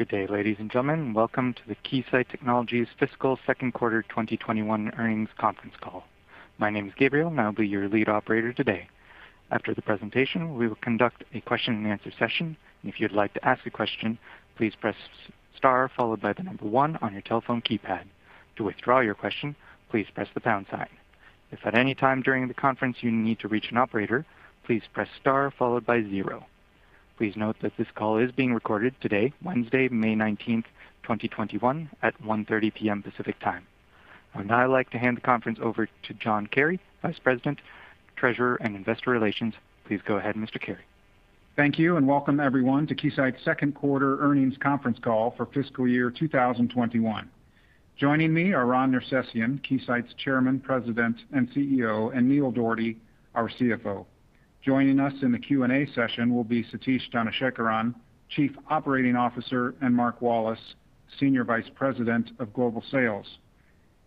Good day, ladies and gentlemen. Welcome to the Keysight Technologies fiscal second quarter 2021 earnings conference call. My name is Gabriel, and I'll be your lead operator today. After the presentation, we will conduct a question and answer session. If you'd like to ask a question, please press star followed by the number one on your telephone keypad. To withdraw your question, please press the pound sign. If at any time during the conference you need to reach an operator, please press star followed by zero. Please note that this call is being recorded today, Wednesday, May 19th, 2021, at 1:30 P.M. Pacific Time. I would now like to hand the conference over to Jason Kary, Vice President, Treasurer, and Investor Relations. Please go ahead, Mr. Kary. Thank you, and welcome, everyone, to Keysight's second quarter earnings conference call for fiscal year 2021. Joining me are Ron Nersesian, Keysight's Chairman, President, and CEO, and Neil Dougherty, our CFO. Joining us in the Q&A session will be Satish Dhanasekaran, Chief Operating Officer, and Mark Wallace, Senior Vice President of Global Sales.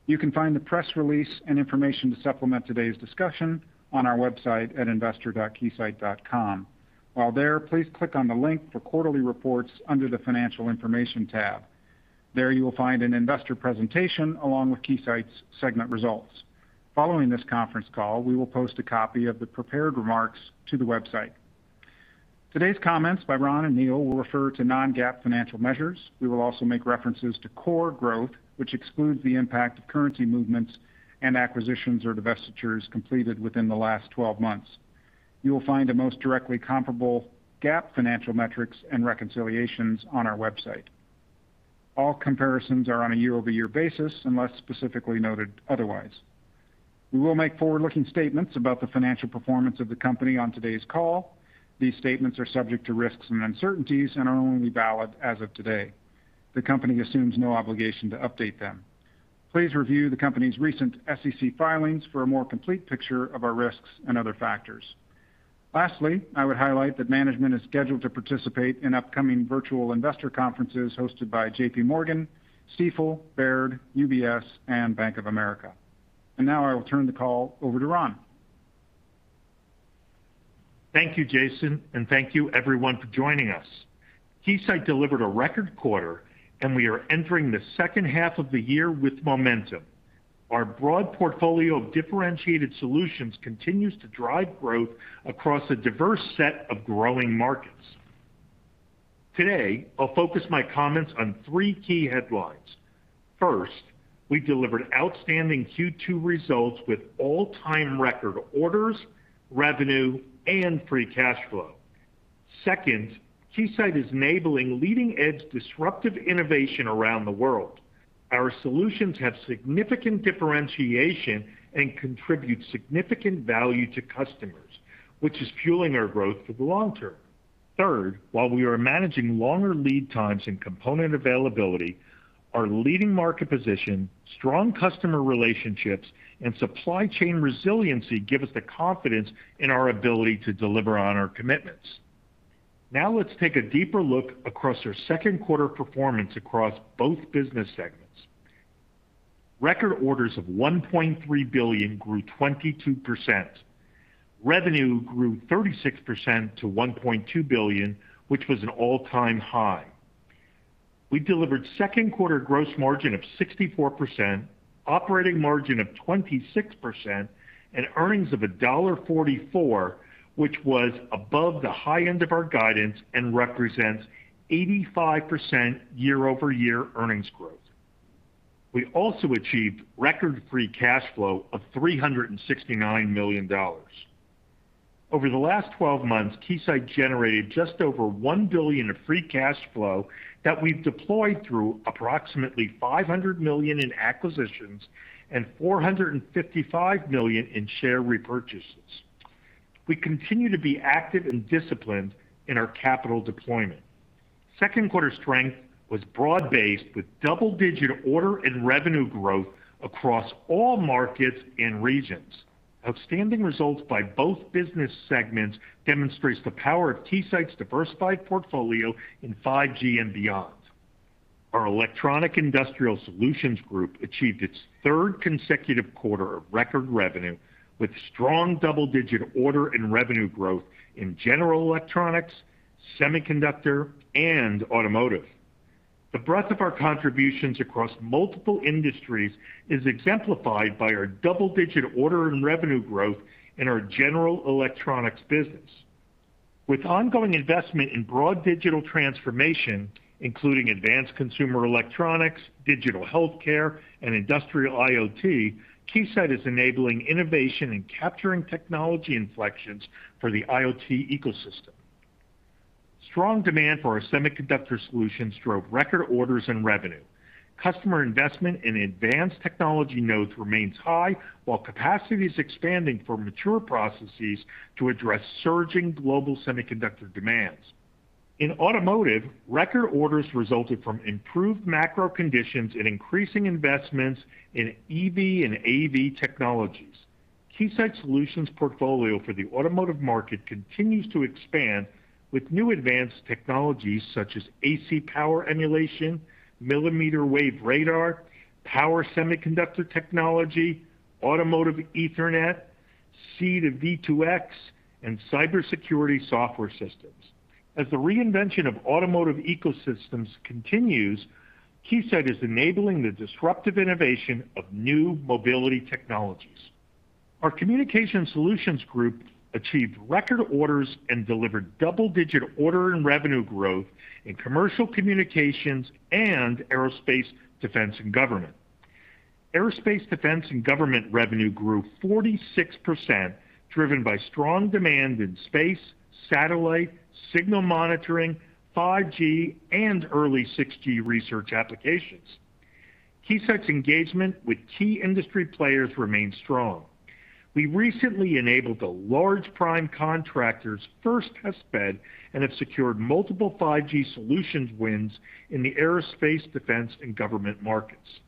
You can find the press release and information to supplement today's discussion on our website at investor.keysight.com. While there, please click on the link for quarterly reports under the Financial Information tab. There you will find an investor presentation along with Keysight's segment results. Following this conference call, we will post a copy of the prepared remarks to the website. Today's comments by Ron and Neil will refer to non-GAAP financial measures. We will also make references to core growth, which excludes the impact of currency movements and acquisitions or divestitures completed within the last 12 months. You will find the most directly comparable GAAP financial metrics and reconciliations on our website. All comparisons are on a year-over-year basis unless specifically noted otherwise. We will make forward-looking statements about the financial performance of the company on today's call. These statements are subject to risks and uncertainties and are only valid as of today. The company assumes no obligation to update them. Please review the company's recent SEC filings for a more complete picture of our risks and other factors. Lastly, I would highlight that management is scheduled to participate in upcoming virtual investor conferences hosted by JPMorgan, Stifel, Baird, UBS, and Bank of America. Now I will turn the call over to Ron. Thank you, Jason, and thank you, everyone, for joining us. Keysight delivered a record quarter, and we are entering the second half of the year with momentum. Our broad portfolio of differentiated solutions continues to drive growth across a diverse set of growing markets. Today, I'll focus my comments on three key headlines. First, we delivered outstanding Q2 results with all-time record orders, revenue, and free cash flow. Second, Keysight is enabling leading-edge disruptive innovation around the world. Our solutions have significant differentiation and contribute significant value to customers, which is fueling our growth for the long term. Third, while we are managing longer lead times and component availability, our leading market position, strong customer relationships, and supply chain resiliency give us the confidence in our ability to deliver on our commitments. Now let's take a deeper look across our second quarter performance across both business segments. Record orders of $1.3 billion grew 22%. Revenue grew 36% to $1.2 billion, which was an all-time high. We delivered second quarter gross margin of 64%, operating margin of 26%, and earnings of $1.44, which was above the high end of our guidance and represents 85% year-over-year earnings growth. We also achieved record free cash flow of $369 million. Over the last 12 months, Keysight generated just over $1 billion of free cash flow that we've deployed through approximately $500 million in acquisitions and $455 million in share repurchases. We continue to be active and disciplined in our capital deployment. Second quarter strength was broad-based, with double-digit order and revenue growth across all markets and regions. Outstanding results by both business segments demonstrates the power of Keysight's diversified portfolio in 5G and beyond. Our Electronic Industrial Solutions Group achieved its third consecutive quarter of record revenue, with strong double-digit order and revenue growth in general electronics, semiconductor, and automotive. The breadth of our contributions across multiple industries is exemplified by our double-digit order and revenue growth in our general electronics business. With ongoing investment in broad digital transformation, including advanced consumer electronics, digital healthcare, and industrial IoT, Keysight is enabling innovation and capturing technology inflections for the IoT ecosystem. Strong demand for our semiconductor solutions drove record orders and revenue. Customer investment in advanced technology nodes remains high while capacity is expanding for mature processes to address surging global semiconductor demands. In automotive, record orders resulted from improved macro conditions and increasing investments in EV and AV technologies. Keysight's solutions portfolio for the automotive market continues to expand with new advanced technologies such as AC power emulation, millimeter-wave radar, power semiconductor technology, Automotive Ethernet, C-V2X, and cybersecurity software systems. As the reinvention of automotive ecosystems continues, Keysight is enabling the disruptive innovation of new mobility technologies. Our Communication Solutions Group achieved record orders and delivered double-digit order and revenue growth in commercial communications and aerospace, defense, and government. Aerospace, defense, and government revenue grew 46%, driven by strong demand in space, satellite, signal monitoring, 5G, and early 6G research applications. Keysight's engagement with key industry players remains strong. We recently enabled a large prime contractor's first test bed and have secured multiple 5G solutions wins in the aerospace, defense, and government markets.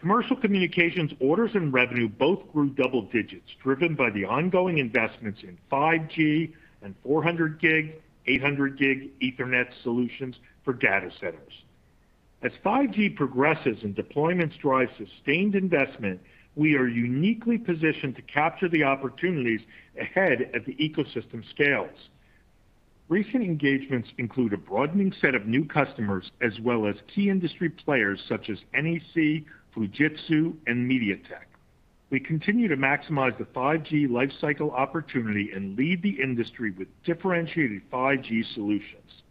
Commercial communications orders and revenue both grew double digits, driven by the ongoing investments in 5G and 400G, 800G Ethernet solutions for data centers. As 5G progresses and deployments drive sustained investment, we are uniquely positioned to capture the opportunities ahead as the ecosystem scales. Recent engagements include a broadening set of new customers as well as key industry players such as NEC, Fujitsu, and MediaTek. We continue to maximize the 5G lifecycle opportunity and lead the industry with differentiated 5G solutions.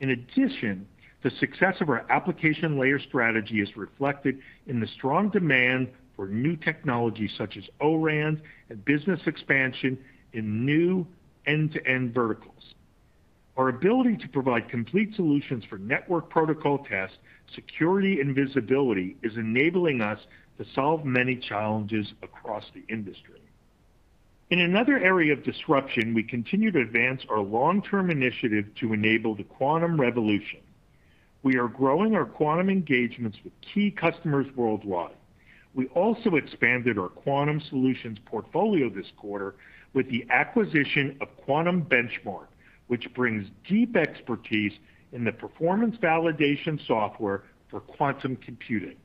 In addition, the success of our application layer strategy is reflected in the strong demand for new technologies such as O-RAN and business expansion in new end-to-end verticals. Our ability to provide complete solutions for network protocol tests, security, and visibility is enabling us to solve many challenges across the industry. In another area of disruption, we continue to advance our long-term initiative to enable the quantum revolution. We are growing our quantum engagements with key customers worldwide. We also expanded our quantum solutions portfolio this quarter with the acquisition of Quantum Benchmark, which brings deep expertise in the performance validation software for quantum computing.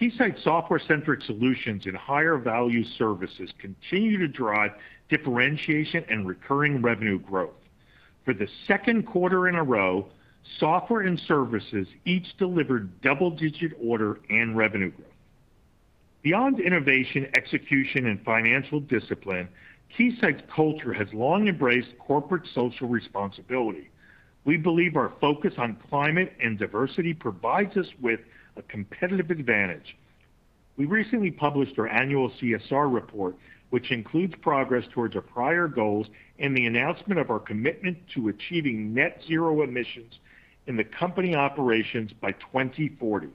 Keysight's software-centric solutions and higher-value services continue to drive differentiation and recurring revenue growth. For the second quarter in a row, software and services each delivered double-digit order and revenue growth. Beyond innovation, execution, and financial discipline, Keysight's culture has long embraced corporate social responsibility. We believe our focus on climate and diversity provides us with a competitive advantage. We recently published our annual CSR report, which includes progress towards our prior goals and the announcement of our commitment to achieving net zero emissions in the company operations by 2040.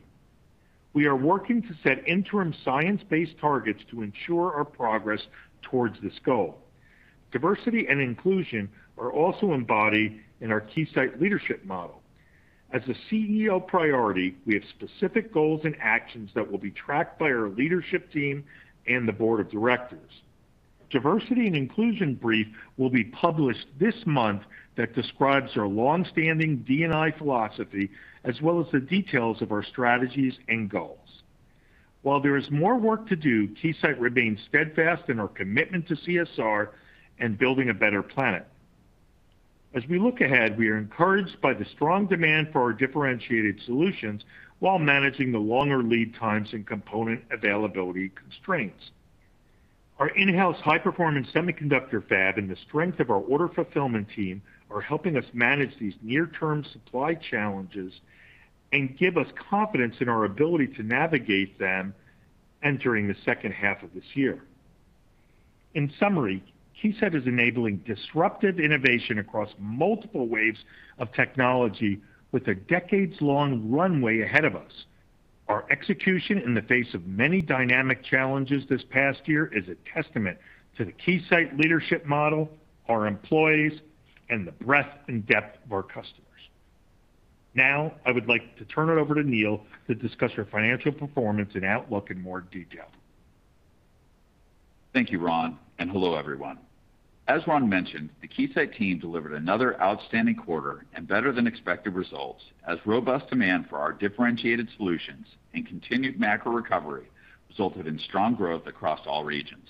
We are working to set interim science-based targets to ensure our progress towards this goal. Diversity and inclusion are also embodied in our Keysight leadership model. As a CEO priority, we have specific goals and actions that will be tracked by our leadership team and the board of directors. Diversity and inclusion brief will be published this month that describes our long-standing D&I philosophy, as well as the details of our strategies and goals. While there is more work to do, Keysight remains steadfast in our commitment to CSR and building a better planet. As we look ahead, we are encouraged by the strong demand for our differentiated solutions while managing the longer lead times and component availability constraints. Our in-house high-performance semiconductor fab and the strength of our order fulfillment team are helping us manage these near-term supply challenges and give us confidence in our ability to navigate them entering the second half of this year. In summary, Keysight is enabling disruptive innovation across multiple waves of technology with a decades-long runway ahead of us. Our execution in the face of many dynamic challenges this past year is a testament to the Keysight leadership model, our employees, and the breadth and depth of our customers. Now, I would like to turn it over to Neil to discuss our financial performance and outlook in more detail. Thank you, Ron, and hello, everyone. As Ron mentioned, the Keysight team delivered another outstanding quarter and better-than-expected results as robust demand for our differentiated solutions and continued macro recovery resulted in strong growth across all regions.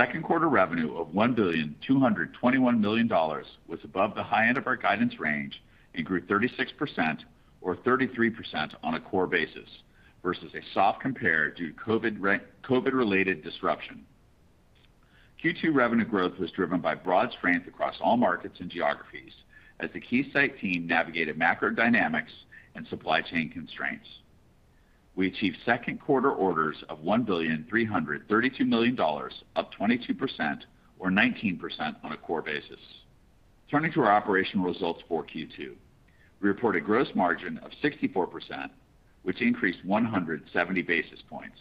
Second quarter revenue of $1,221 million was above the high end of our guidance range and grew 36%, or 33% on a core basis, versus a soft compare due to COVID-related disruption. Q2 revenue growth was driven by broad strength across all markets and geographies as the Keysight team navigated macro dynamics and supply chain constraints. We achieved second quarter orders of $1,332 million, up 22%, or 19% on a core basis. Turning to our operational results for Q2. We report a gross margin of 64%, which increased 170 basis points.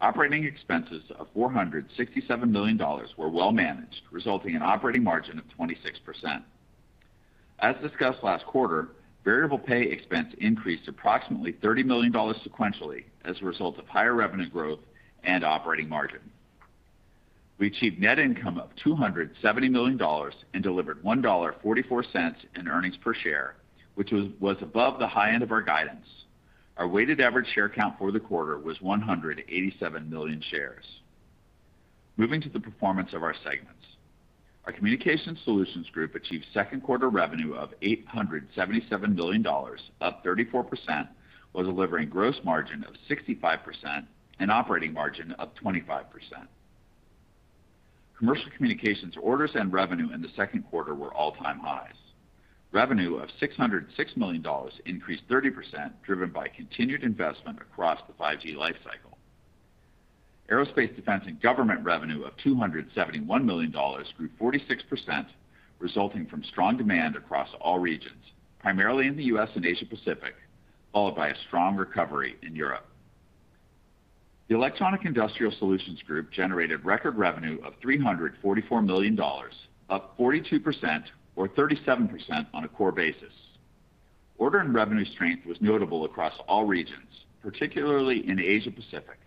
Operating expenses of $467 million were well managed, resulting in operating margin of 26%. As discussed last quarter, variable pay expense increased approximately $30 million sequentially as a result of higher revenue growth and operating margin. We achieved net income of $270 million and delivered $1.44 in earnings per share, which was above the high end of our guidance. Our weighted average share count for the quarter was 187 million shares. Moving to the performance of our segments. Our Communication Solutions Group achieved second quarter revenue of $877 million, up 34%, while delivering gross margin of 65% and operating margin of 25%. Commercial Communications orders and revenue in the second quarter were all-time highs. Revenue of $606 million increased 30%, driven by continued investment across the 5G lifecycle. Aerospace Defense and Government revenue of $271 million grew 46%, resulting from strong demand across all regions, primarily in the U.S. and Asia Pacific, followed by a strong recovery in Europe. The Electronic Industrial Solutions Group generated record revenue of $344 million, up 42%, or 37% on a core basis. Order and revenue strength was notable across all regions, particularly in Asia Pacific.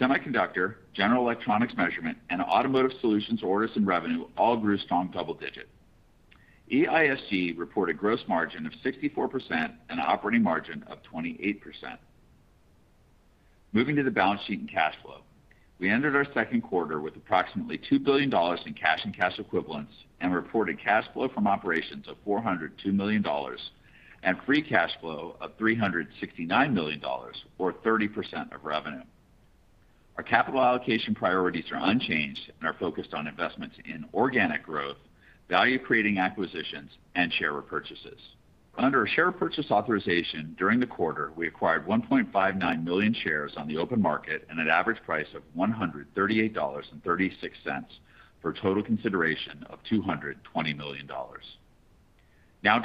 Semiconductor, General Electronics Measurement, and Automotive Solutions orders and revenue all grew strong double digits. EISG reported gross margin of 64% and operating margin of 28%. Moving to the balance sheet and cash flow. We ended our second quarter with approximately $2 billion in cash and cash equivalents and reported cash flow from operations of $402 million and free cash flow of $369 million or 30% of revenue. Our capital allocation priorities are unchanged and are focused on investments in organic growth, value-creating acquisitions, and share repurchases. Under our share purchase authorization during the quarter, we acquired 1.59 million shares on the open market at an average price of $138.36 for a total consideration of $220 million.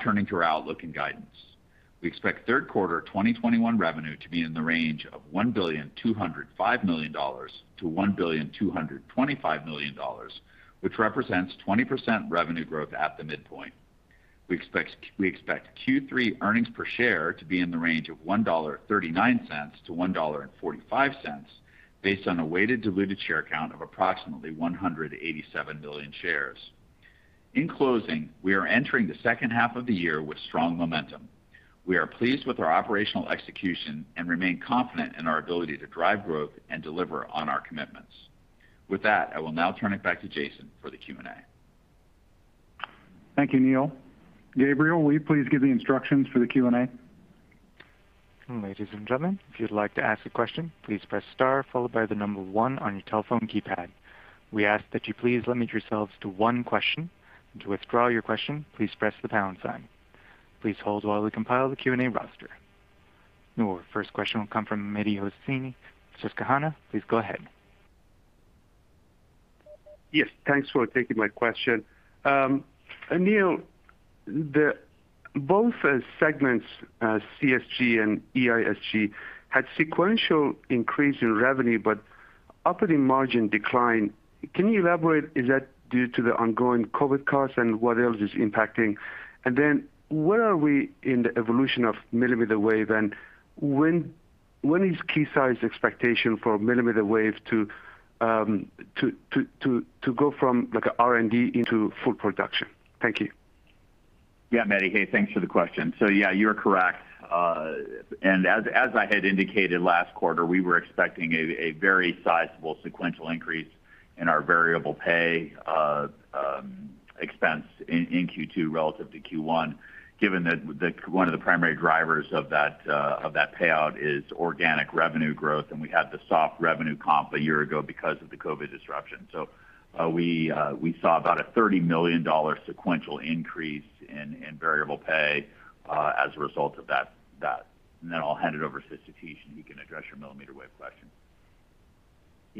Turning to our outlook and guidance. We expect third quarter 2021 revenue to be in the range of $1.205 billion-$1.225 billion, which represents 20% revenue growth at the midpoint. We expect Q3 earnings per share to be in the range of $1.39-$1.45 based on a weighted diluted share count of approximately 187 million shares. In closing, we are entering the second half of the year with strong momentum. We are pleased with our operational execution and remain confident in our ability to drive growth and deliver on our commitments. I will now turn it back to Jason for the Q&A. Thank you, Neil. Gabriel, will you please give the instructions for the Q&A? Ladies and gentlemen, if you'd like to ask a question, please press star followed by the number one on your telephone keypad. We ask that you please limit yourselves to one question. To withdraw your question, please press the pound sign. Please hold while we compile the Q&A roster. Our first question will come from Mehdi Hosseini, Susquehanna. Please go ahead. Yes. Thanks for taking my question. Neil, both segments, CSG and EISG, had sequential increase in revenue but operating margin decline. Can you elaborate, is that due to the ongoing COVID costs and what else is impacting? Where are we in the evolution of millimeter wave, and when is Keysight's expectation for millimeter wave to go from R&D into full production? Thank you. Yeah, Mehdi. Hey, thanks for the question. Yeah, you're correct. As I had indicated last quarter, we were expecting a very sizable sequential increase in our variable pay expense in Q2 relative to Q1, given that one of the primary drivers of that payout is organic revenue growth, and we had the soft revenue comp a year ago because of the COVID disruption. We saw about a $30 million sequential increase in variable pay as a result of that. I'll hand it over to Satish and he can address your millimeter wave question.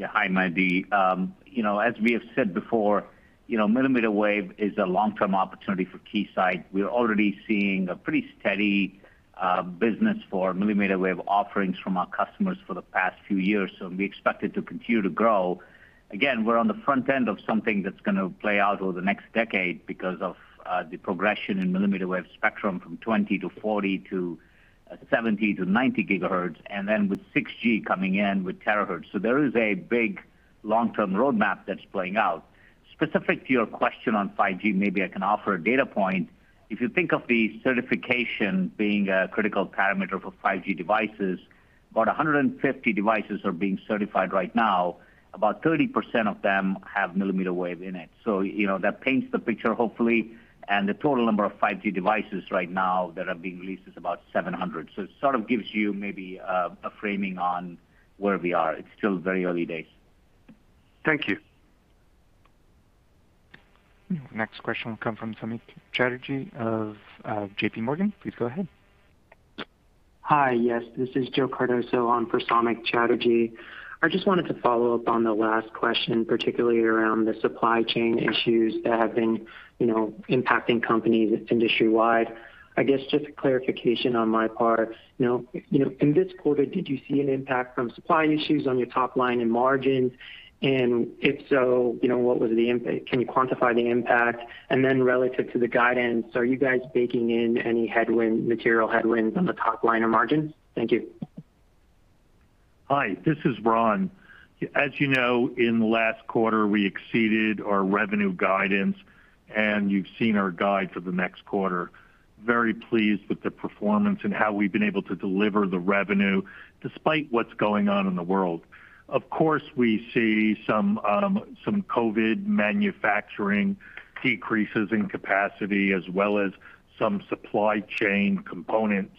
Hi, Mehdi. As we have said before, millimeter wave is a long-term opportunity for Keysight. We're already seeing a pretty steady business for millimeter wave offerings from our customers for the past few years, we expect it to continue to grow. We're on the front end of something that's going to play out over the next decade because of the progression in millimeter wave spectrum from 20 GHz-40 GHz to 70 GHz-90 GHz, with 6G coming in with terahertz. There is a big long-term roadmap that's playing out. Specific to your question on 5G, maybe I can offer a data point. If you think of the certification being a critical parameter for 5G devices, about 150 devices are being certified right now. About 30% of them have millimeter wave in it. That paints the picture, hopefully. The total number of 5G devices right now that are being released is about 700. It sort of gives you maybe a framing on where we are. It's still very early days. Thank you. Next question will come from Samik Chatterjee of JPMorgan. Please go ahead. Hi. Yes, this is Joe Cardoso on for Samik Chatterjee. I just wanted to follow up on the last question, particularly around the supply chain issues that have been impacting companies industry-wide. I guess just clarification on my part. In this quarter, did you see an impact from supply issues on your top line and margin? If so, what was the impact? Can you quantify the impact? Relative to the guidance, are you guys baking in any material headwinds on the top line and margin? Thank you. Hi, this is Ron. As you know, in the last quarter, we exceeded our revenue guidance, and you've seen our guide for the next quarter. Very pleased with the performance and how we've been able to deliver the revenue despite what's going on in the world. Of course, we see some COVID manufacturing decreases in capacity, as well as some supply chain components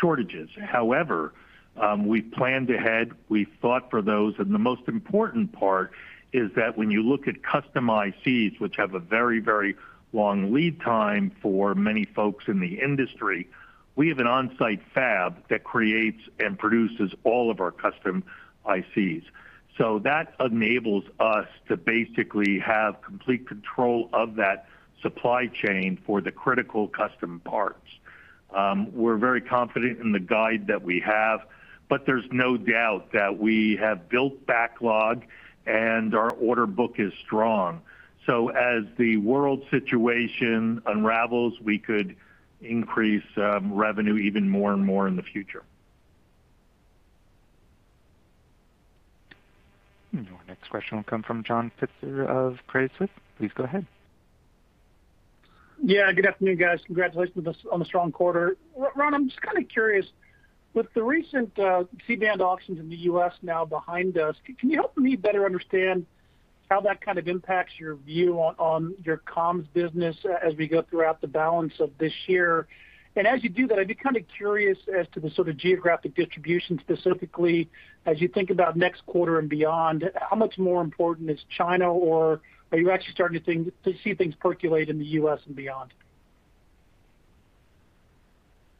shortages. However, we planned ahead. We thought for those, and the most important part is that when you look at custom ICs, which have a very long lead time for many folks in the industry, we have an on-site fab that creates and produces all of our custom ICs. That enables us to basically have complete control of that supply chain for the critical custom parts. We're very confident in the guide that we have, but there's no doubt that we have built backlog and our order book is strong. As the world situation unravels, we could increase revenue even more and more in the future. The next question will come from John Pitzer of Credit Suisse. Please go ahead. Yeah, good afternoon, guys. Congratulations on the strong quarter. Ron, I'm just curious, with the recent C-band auctions in the U.S. now behind us, can you help me better understand how that impacts your view on your comms business as we go throughout the balance of this year? As you do that, I'd be curious as to the sort of geographic distribution specifically as you think about next quarter and beyond, how much more important is China, or are you actually starting to see things percolate in the U.S. and beyond?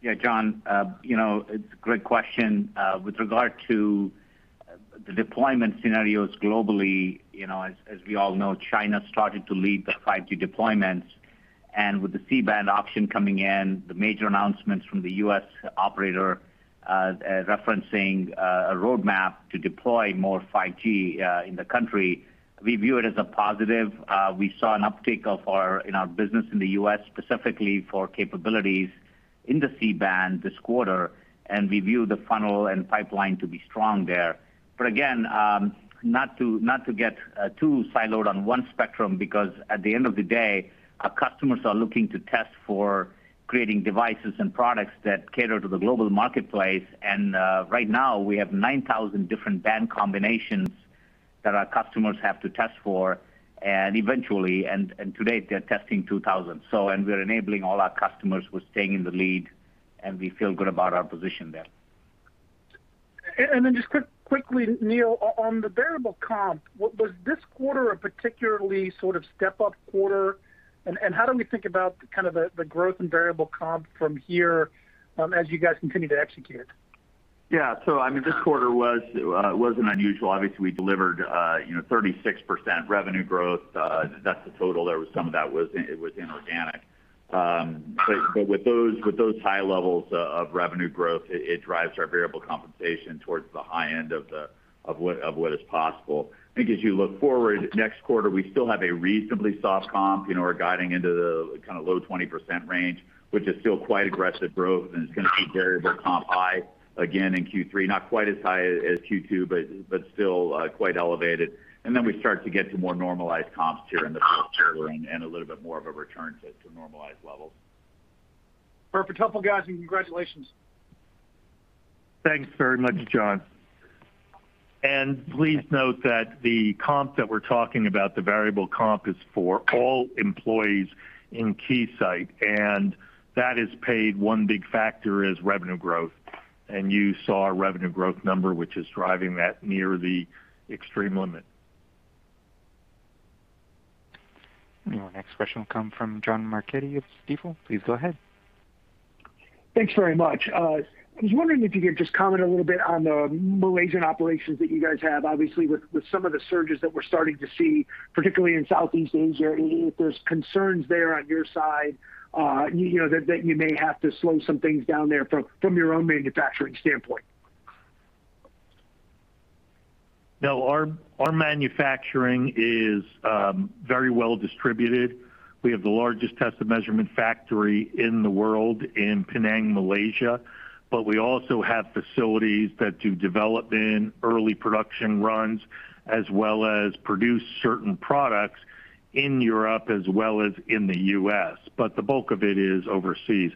Yeah, John, it's a great question. With regard to the deployment scenarios globally, as we all know, China started to lead the 5G deployments. With the C-band auction coming in, the major announcements from the U.S. operator referencing a roadmap to deploy more 5G in the country, we view it as a positive. We saw an uptick in our business in the U.S., specifically for capabilities in the C-band this quarter. We view the funnel and pipeline to be strong there. Again, not to get too siloed on one spectrum because, at the end of the day, our customers are looking to test for creating devices and products that cater to the global marketplace. Right now, we have 9,000 different band combinations that our customers have to test for eventually. Today, they're testing 2,000. We're enabling all our customers who are staying in the lead, and we feel good about our position there. Just quickly, Neil, on the variable comp, was this quarter a particularly step-up quarter? How do we think about the growth in variable comp from here as you guys continue to execute? This quarter was unusual. Obviously, we delivered 36% revenue growth. That's the total. Some of that was inorganic. With those high levels of revenue growth, it drives our variable compensation towards the high end of what is possible. I think as you look forward next quarter, we still have a reasonably soft comp. We're guiding into the low 20% range, which is still quite aggressive growth, and it's going to be variable comp high again in Q3, not quite as high as Q2, but still quite elevated. We start to get some more normalized comps here in the fourth quarter and a little bit more of a return to normalized levels. Perfect. Helpful, guys, and congratulations. Thanks very much, John. Please note that the comp that we're talking about, the variable comp, is for all employees in Keysight, and that is paid. One big factor is revenue growth, and you saw our revenue growth number, which is driving that near the extreme limit. The next question will come from John Marchetti of Stifel. Please go ahead. Thanks very much. I was wondering if you could just comment a little bit on the Malaysian operations that you guys have. Obviously, with some of the surges that we're starting to see, particularly in Southeast Asia, if there's concerns there on your side, that you may have to slow some things down there from your own manufacturing standpoint? No, our manufacturing is very well distributed. We have the largest test and measurement factory in the world in Penang, Malaysia, but we also have facilities that do development, early production runs, as well as produce certain products in Europe as well as in the U.S., but the bulk of it is overseas.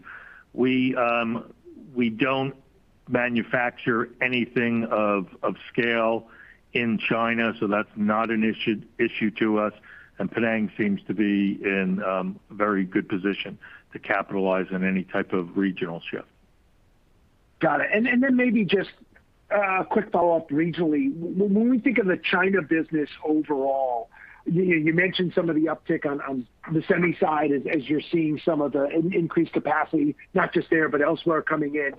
We don't manufacture anything of scale in China, so that's not an issue to us, and Penang seems to be in a very good position to capitalize on any type of regional shift. Got it. Then maybe just a quick follow-up regionally. When we think of the China business overall, you mentioned some of the uptick on the semi side as you're seeing some of the increased capacity, not just there, but elsewhere coming in.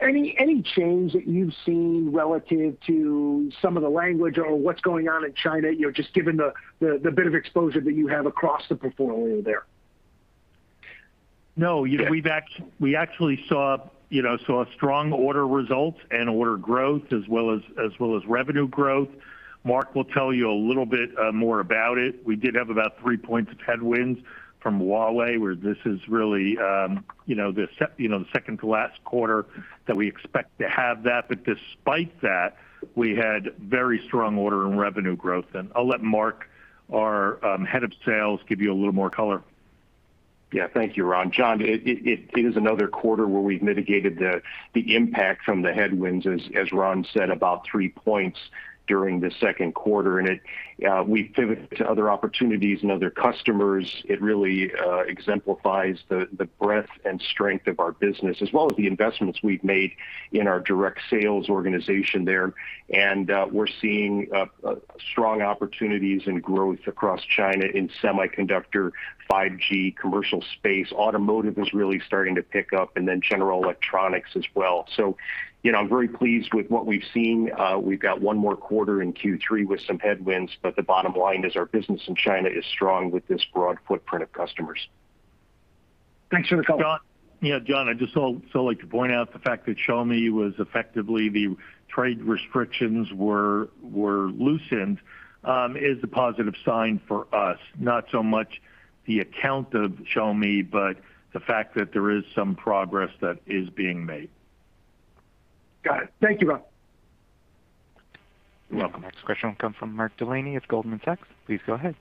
Any change that you've seen relative to some of the language or what's going on in China, just given the bit of exposure that you have across the portfolio there? No, we actually saw strong order results and order growth as well as revenue growth. Mark will tell you a little bit more about it. We did have about three points of headwinds from Huawei, where this is really the second to last quarter that we expect to have that. Despite that, we had very strong order and revenue growth. I'll let Mark, our head of sales, give you a little more color. Thank you, Ron. John, it is another quarter where we've mitigated the impact from the headwinds, as Ron said, about three points during the second quarter. We pivoted to other opportunities and other customers. It really exemplifies the breadth and strength of our business as well as the investments we've made in our direct sales organization there. We're seeing strong opportunities and growth across China in semiconductor, 5G, commercial space. Automotive is really starting to pick up, and then general electronics as well. I'm very pleased with what we've seen. We've got one more quarter in Q3 with some headwinds, but the bottom line is our business in China is strong with this broad footprint of customers. Thanks for the call. Yeah, John, I'd just like to point out the fact that Xiaomi was effectively, the trade restrictions were loosened, is a positive sign for us. Not so much the account of Xiaomi, but the fact that there is some progress that is being made. Got it. Thank you, Mark. You're welcome. Next question will come from Mark Delaney of Goldman Sachs. Please go ahead.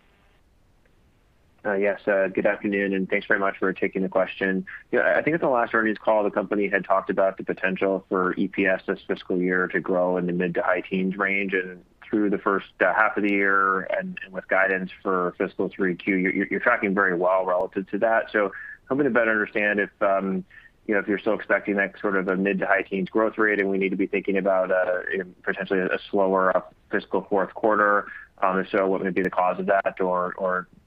Yes, good afternoon, thanks very much for taking the question. I think at the last earnings call, the company had talked about the potential for EPS this fiscal year to grow in the mid to high teens range, and through the first half of the year and with guidance for fiscal 3Q, you're tracking very well relative to that. Helping me better understand if you're still expecting that sort of a mid to high teens growth rate, and we need to be thinking about potentially a slower fiscal fourth quarter. What would be the cause of that?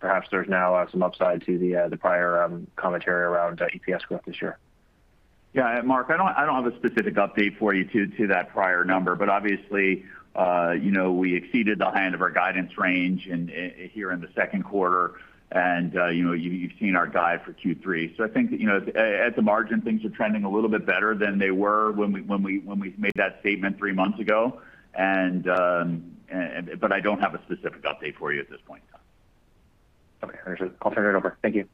Perhaps there's now some upside to the prior commentary around EPS growth this year. Yeah. Mark, I don't have a specific update for you to that prior number, but obviously, we exceeded the high end of our guidance range here in the second quarter. You've seen our guide for Q3. I think, at the margin, things are trending a little bit better than they were when we made that statement three months ago. I don't have a specific update for you at this point. Okay. I'll turn it over. Thank you.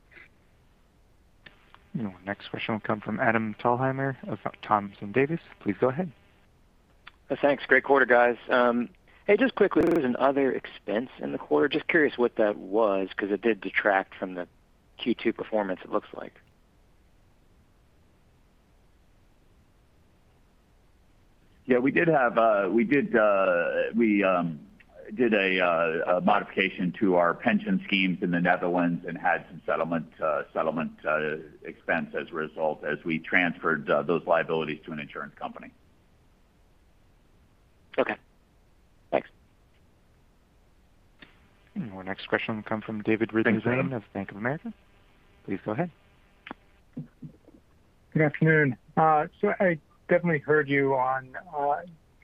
Next question will come from Adam Thalhimer of Thompson, Davis. Please go ahead. Thanks. Great quarter, guys. Hey, just quickly, there was an other expense in the quarter. Just curious what that was because it did detract from the Q2 performance, it looks like. Yeah, we did a modification to our pension schemes in the Netherlands and had some settlement expense as a result, as we transferred those liabilities to an insurance company. Okay. Thanks. Our next question will come from David Ridley-Lane of Bank of America. Please go ahead. Good afternoon. I definitely heard you on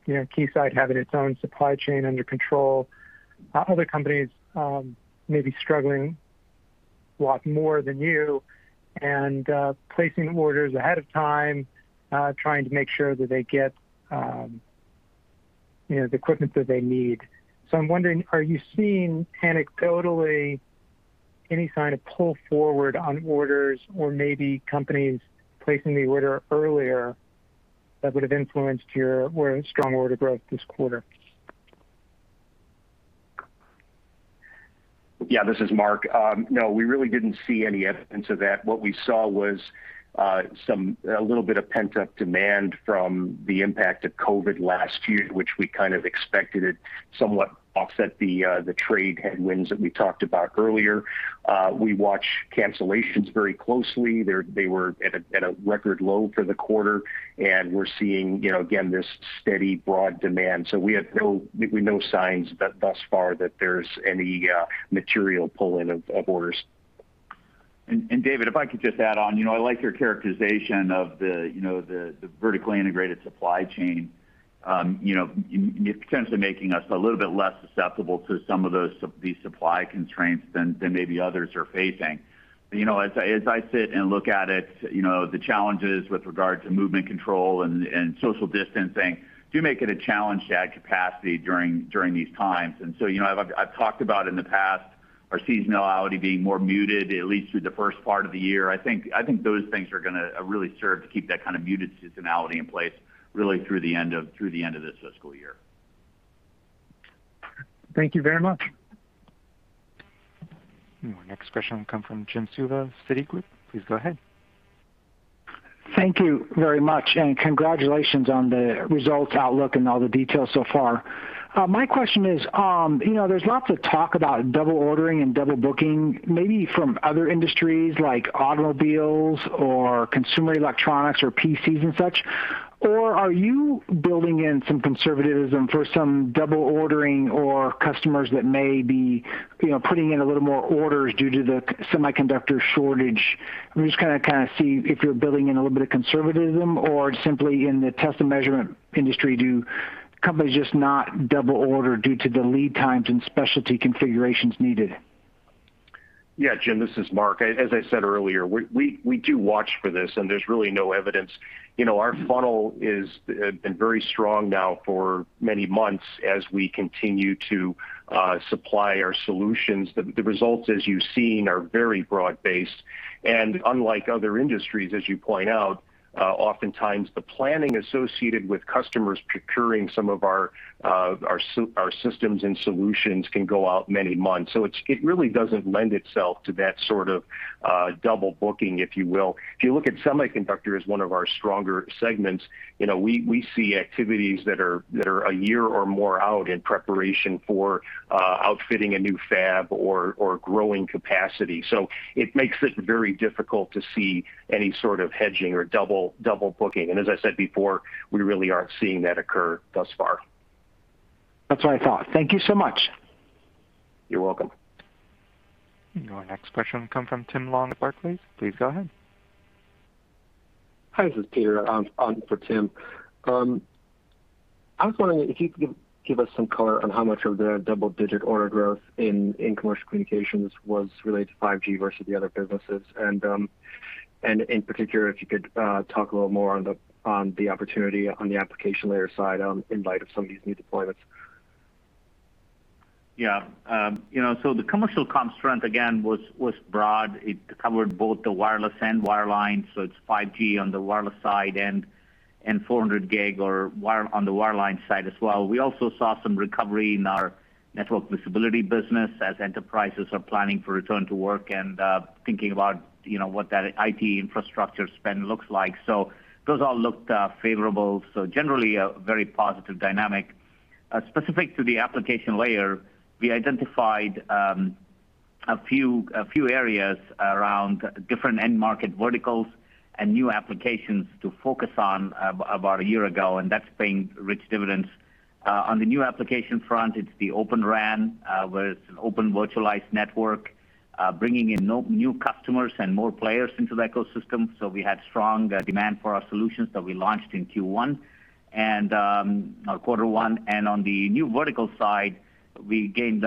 Keysight having its own supply chain under control. Other companies may be struggling a lot more than you, and placing orders ahead of time, trying to make sure that they get the equipment that they need. I'm wondering, are you seeing anecdotally any kind of pull forward on orders or maybe companies placing the order earlier that would have influenced your strong order growth this quarter? Yeah, this is Mark. No, we really didn't see any evidence of that. What we saw was a little bit of pent-up demand from the impact of COVID last year, which we kind of expected it somewhat offset the trade headwinds that we talked about earlier. We watched cancellations very closely. They were at a record low for the quarter, and we're seeing, again, this steady broad demand. We have no signs thus far that there's any material pull-in of orders. David, if I could just add on, I like your characterization of the vertically integrated supply chain. In terms of making us a little bit less susceptible to some of these supply constraints than maybe others are facing. As I sit and look at it, the challenges with regard to movement control and social distancing do make it a challenge to add capacity during these times. I've talked about in the past our seasonality being more muted, at least through the first part of the year. I think those things are going to really serve to keep that kind of muted seasonality in place really through the end of this fiscal year. Thank you very much. Next question will come from Jim Suva, Citigroup. Please go ahead. Thank you very much, and congratulations on the results outlook and all the details so far. My question is, there's lots of talk about double ordering and double booking, maybe from other industries like automobiles or consumer electronics or PCs and such. Are you building in some conservatism for some double ordering or customers that may be putting in a little more orders due to the semiconductor shortage? I'm just going to kind of see if you're building in a little bit of conservatism or simply in the test and measurement industry do companies just not double order due to the lead times and specialty configurations needed? Yeah, Jim, this is Mark. As I said earlier, we do watch for this. There's really no evidence. Our funnel has been very strong now for many months as we continue to supply our solutions. The results, as you've seen, are very broad-based. Unlike other industries, as you point out, oftentimes the planning associated with customers procuring some of our systems and solutions can go out many months. It really doesn't lend itself to that sort of double-booking, if you will. If you look at semiconductors, one of our stronger segments, we see activities that are a year or more out in preparation for outfitting a new fab or growing capacity. It makes it very difficult to see any sort of hedging or double-booking. As I said before, we really aren't seeing that occur thus far. That's what I thought. Thank you so much. You're welcome. Your next question will come from Tim Long of Barclays. Please go ahead. Hi, this is Peter on for Tim. I was wondering if you could give us some color on how much of the double-digit order growth in commercial communications was related to 5G versus the other businesses. In particular, if you could talk a little more on the opportunity on the application layer side in light of some of these new deployments. Yeah. The commercial comp strength, again, was broad. It covered both the wireless and wireline, so it's 5G on the wireless side and 400G on the wireline side as well. We also saw some recovery in our network visibility business as enterprises are planning for return to work and thinking about what that IT infrastructure spend looks like. Those all looked favorable. Generally, a very positive dynamic. Specific to the application layer, we identified a few areas around different end market verticals and new applications to focus on about a year ago, and that's paying rich dividends. On the new application front, it's the Open RAN, where it's an open virtualized network, bringing in new customers and more players into the ecosystem. We had strong demand for our solutions that we launched in quarter one. On the new vertical side, we gained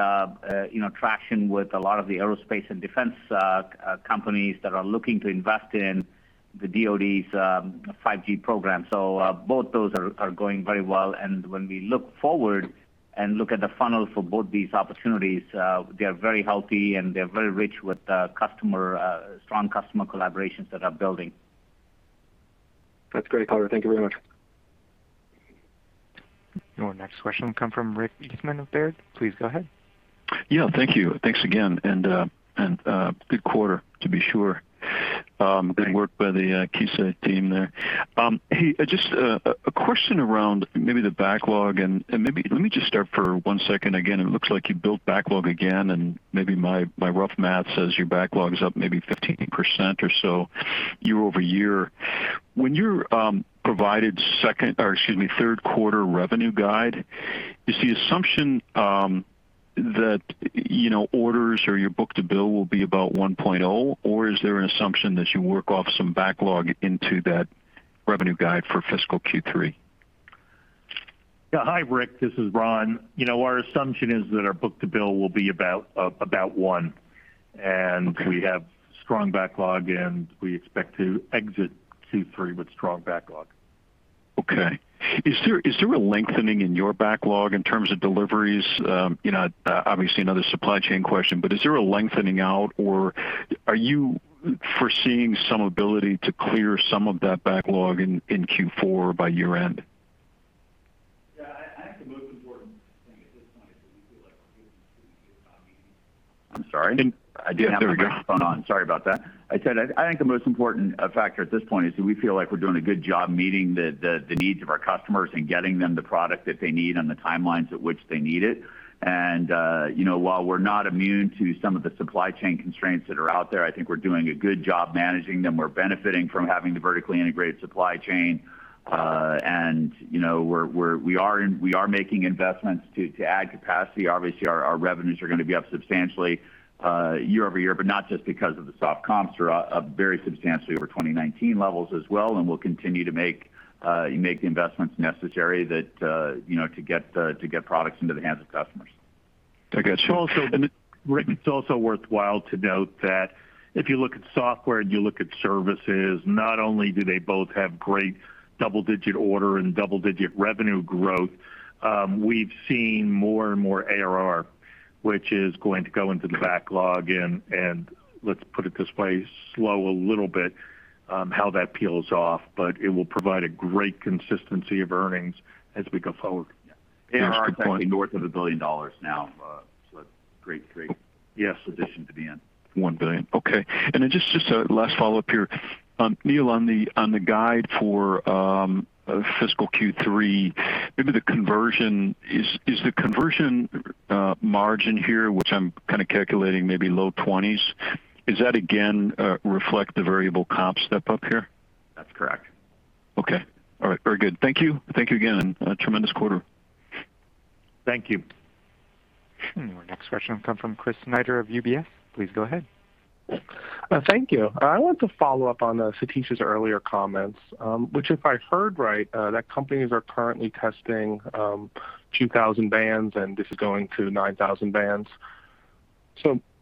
traction with a lot of the aerospace and defense companies that are looking to invest in the DoD's 5G program. Both those are going very well. When we look forward and look at the funnel for both these opportunities, they are very healthy, and they're very rich with strong customer collaborations that are building. That's great color. Thank you very much. Your next question will come from Rick Eastman of Baird. Please go ahead. Yeah, thank you. Thanks again, and good quarter to be sure. Thank you. Good work by the Keysight team there. Hey, just a question around maybe the backlog and maybe let me just start for one second again. It looks like you built backlog again, and maybe my rough math says your backlog's up maybe 15% or so year-over-year. When you provided third quarter revenue guide, is the assumption that orders or your book-to-bill will be about 1.0, or is there an assumption that you work off some backlog into that revenue guide for fiscal Q3? Yeah. Hi, Rick, this is Ron. Our assumption is that our book-to-bill will be about one. Okay. We have strong backlog, and we expect to exit Q3 with strong backlog. Okay. Is there a lengthening in your backlog in terms of deliveries? Obviously, another supply chain question, is there a lengthening out, or are you foreseeing some ability to clear some of that backlog in Q4 or by year-end? Yeah, I think the most important thing at this point is that we feel like we're doing a good job. I'm sorry? I didn't have- Sorry about that. I said I think the most important factor at this point is that we feel like we're doing a good job meeting the needs of our customers and getting them the product that they need on the timelines at which they need it. While we're not immune to some of the supply chain constraints that are out there, I think we're doing a good job managing them. We're benefiting from having a vertically integrated supply chain. We are making investments to add capacity. Obviously, our revenues are going to be up substantially year-over-year, but not just because of the soft comps. They're up very substantially over 2019 levels as well, and we'll continue to make the investments necessary to get products into the hands of customers. Okay. Rick, it's also worthwhile to note that if you look at software and you look at services, not only do they both have great double-digit order and double-digit revenue growth, we've seen more and more ARR, which is going to go into the backlog and, let's put it this way, slow a little bit how that peels off, but it will provide a great consistency of earnings as we go forward. Interesting. ARR is actually north of $1 billion now, so a great addition to the end. $1 billion. Okay. Just a last follow-up here. Neil, on the guide for fiscal Q3, is the conversion margin here, which I'm kind of calculating maybe low-20s, is that again reflect the variable comp step-up here? That's correct. Okay. All right, very good. Thank you. Thank you again, and tremendous quarter. Thank you. Our next question comes from Chris Snyder of UBS. Please go ahead. Thank you. I want to follow up on Satish's earlier comments, which if I heard right, that companies are currently testing 2,000 bands and this is going to 9,000 bands.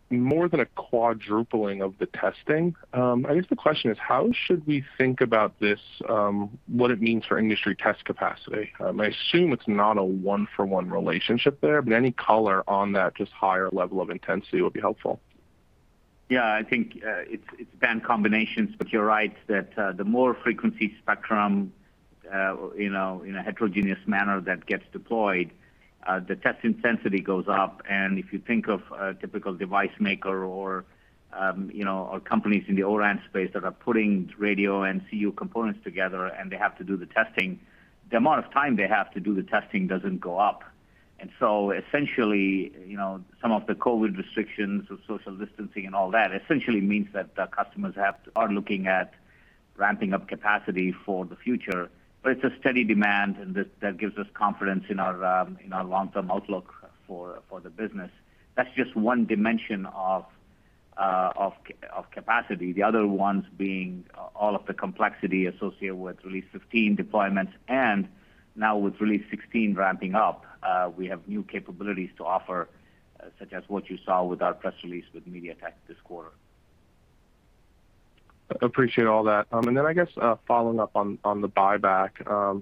More than a quadrupling of the testing. I guess the question is: How should we think about this, what it means for industry test capacity? I assume it's not a one-for-one relationship there, but any color on that just higher level of intensity would be helpful. Yeah, I think it's band combinations, but you're right that the more frequency spectrum in a heterogeneous manner that gets deployed, the test intensity goes up. If you think of a typical device maker or companies in the O-RAN space that are putting radio and CU components together and they have to do the testing, the amount of time they have to do the testing doesn't go up. Essentially, some of the COVID restrictions with social distancing and all that essentially means that the customers are looking at ramping up capacity for the future. It's a steady demand, and that gives us confidence in our long-term outlook for the business. That's just one dimension of capacity. The other ones being all of the complexity associated with Release 15 deployments, and now with Release 16 ramping up, we have new capabilities to offer, such as what you saw with our press release with MediaTek this quarter. Appreciate all that. I guess following up on the buyback.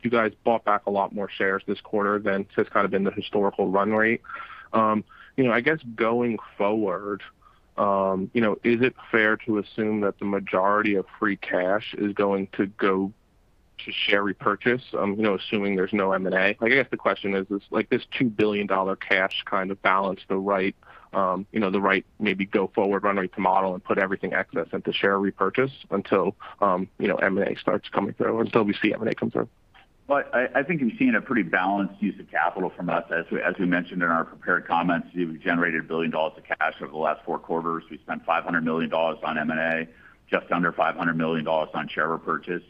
You guys bought back a lot more shares this quarter than has kind of been the historical run rate. I guess going forward, is it fair to assume that the majority of free cash is going to go to share repurchase? Assuming there's no M&A. I guess the question is, this $2 billion cash kind of balance the right maybe go forward run rate model and put everything excess into share repurchase until M&A starts coming through, until we see M&A come through. I think you've seen a pretty balanced use of capital from us. As we mentioned in our prepared comments, we've generated $1 billion of cash over the last four quarters. We spent $500 million on M&A, just under $500 million on share repurchase.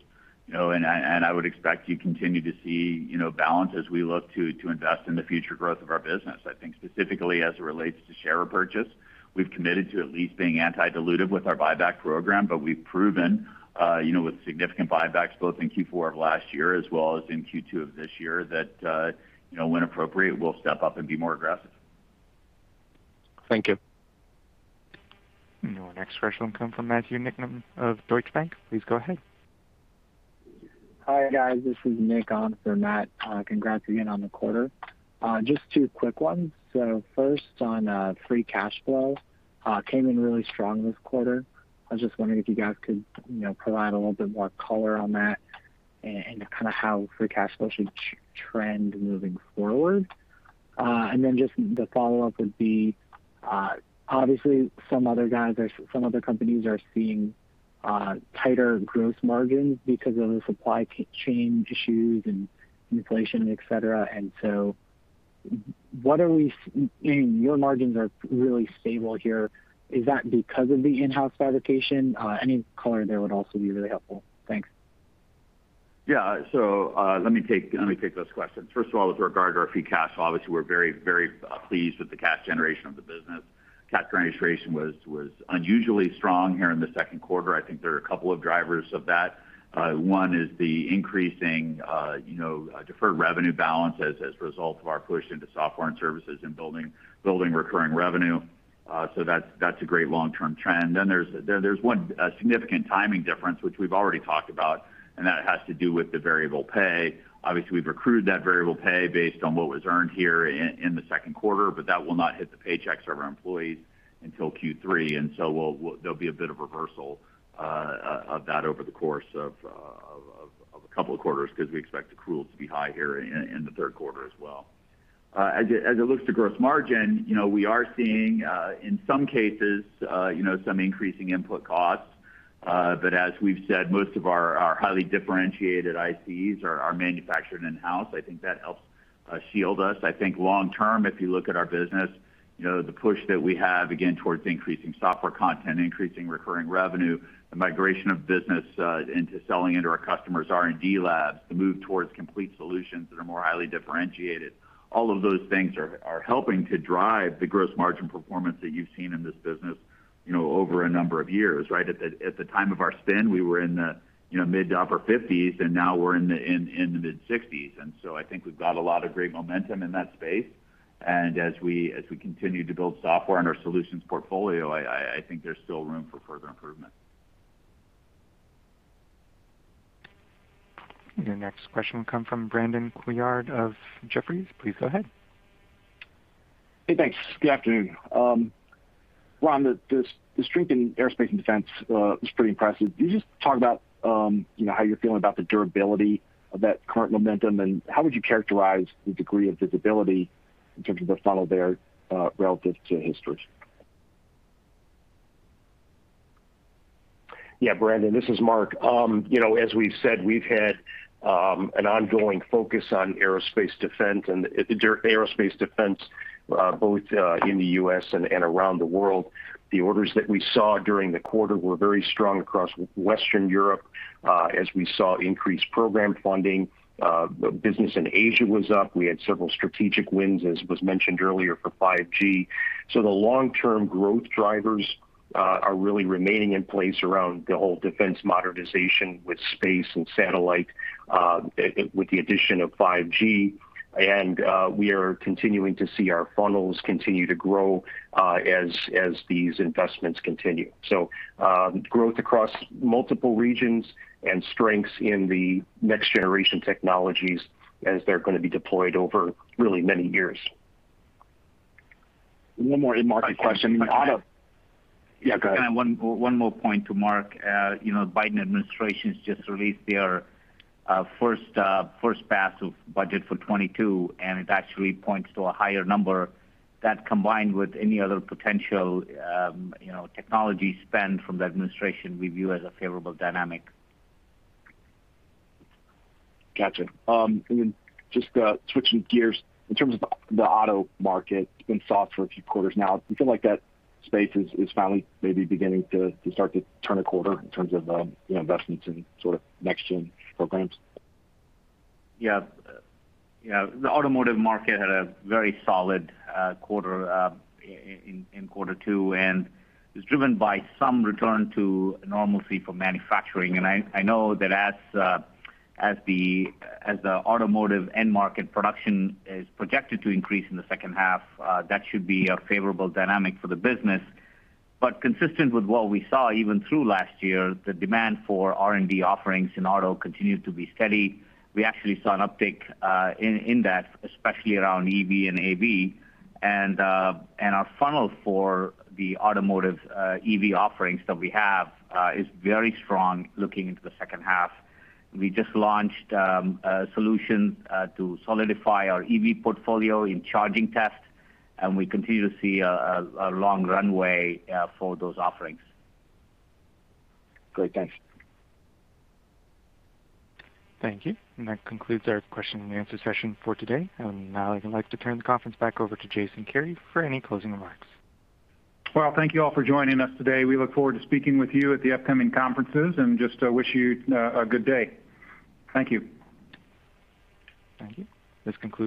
I would expect you continue to see balance as we look to invest in the future growth of our business. I think specifically as it relates to share purchase, we've committed to at least being anti-dilutive with our buyback program, but we've proven with significant buybacks both in Q4 of last year as well as in Q2 of this year that when appropriate, we'll step up and be more aggressive. Thank you. Next question will come from Matthew Niknam of Deutsche Bank. Please go ahead. Hi, guys. This is Nick on for Matt. Congrats again on the quarter. Just two quick ones. First on free cash flow. Came in really strong this quarter. I was just wondering if you guys could provide a little bit more color on that and kind of how free cash flow should trend moving forward. Then just the follow-up would be obviously some other companies are seeing tighter gross margins because of the supply chain issues and inflation, et cetera. Your margins are really stable here. Is that because of the in-house fabrication? Any color there would also be really helpful. Thanks. Let me take those questions. First of all, with regard to our free cash flow, obviously we're very pleased with the cash generation of the business. Cash generation was unusually strong here in the second quarter. I think there are a couple of drivers of that. One is the increasing deferred revenue balance as a result of our push into software and services and building recurring revenue. That's a great long-term trend. There's one significant timing difference, which we've already talked about, and that has to do with the variable pay. Obviously, we've accrued that variable pay based on what was earned here in the second quarter, but that will not hit the paychecks of our employees until Q3, and so there'll be a bit of reversal of that over the course of a couple of quarters because we expect accrual to be high here in the third quarter as well. As it looks to gross margin, we are seeing in some cases some increasing input costs. As we've said, most of our highly differentiated ICs are manufactured in-house. I think that helps shield us. I think long-term, if you look at our business, the push that we have, again, towards increasing software content, increasing recurring revenue, the migration of business into selling into our customers' R&D labs to move towards complete solutions that are more highly differentiated. All of those things are helping to drive the gross margin performance that you've seen in this business over a number of years. Right at the time of our spin, we were in the mid to upper-50s, now we're in the mid-60s. I think we've got a lot of great momentum in that space. As we continue to build software in our solutions portfolio, I think there's still room for further improvement. Your next question will come from Brandon Couillard of Jefferies. Please go ahead. Hey, thanks. Good afternoon. Ron, the strength in aerospace & defense was pretty impressive. Can you just talk about how you're feeling about the durability of that current momentum, and how would you characterize the degree of visibility in terms of the funnel there relative to history? Yeah. Brandon, this is Mark. As we've said, we've had an ongoing focus on aerospace defense and the aerospace defense. Both in the U.S. and around the world. The orders that we saw during the quarter were very strong across Western Europe, as we saw increased program funding. The business in Asia was up. We had several strategic wins, as was mentioned earlier, for 5G. The long-term growth drivers are really remaining in place around the whole defense modernization with space and satellite, with the addition of 5G, and we are continuing to see our funnels continue to grow as these investments continue. Growth across multiple regions and strengths in the next-generation technologies as they're going to be deployed over really many years. One more question. Yeah, go ahead. One more point to Mark. Biden administration's just released their first pass of budget for 2022. It actually points to a higher number that combined with any other potential technology spend from the administration we view as a favorable dynamic. Gotcha. Just switching gears, in terms of the auto market in software a few quarters now, we feel like that space is finally maybe beginning to start to turn a quarter in terms of investments in sort of next-gen programs. Yeah. The automotive market had a very solid quarter in quarter two and is driven by some return to normalcy for manufacturing. I know that as the automotive end market production is projected to increase in the second half, that should be a favorable dynamic for the business. Consistent with what we saw even through last year, the demand for R&D offerings in auto continued to be steady. We actually saw an uptick in that, especially around EV and AV. Our funnel for the automotive EV offerings that we have is very strong looking into the second half. We just launched a solution to solidify our EV portfolio in charging tests, and we continue to see a long runway for those offerings. Great, thanks. Thank you. That concludes our question and answer session for today. Now I'd like to turn the conference back over to Jason Kary for any closing remarks. Well, thank you all for joining us today. We look forward to speaking with you at the upcoming conferences and just wish you a good day. Thank you. Thank you. This concludes-